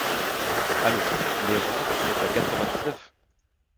Allons, les rentes sont à quatre-vingt-dix-neuf.